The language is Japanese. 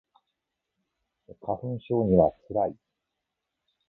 花粉症には辛い